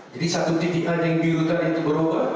jadi satu titik saja yang dihidupkan itu berubah